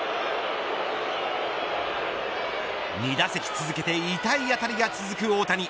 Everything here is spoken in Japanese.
２打席続けて痛い当たりが続く大谷。